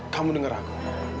kamu dengar aku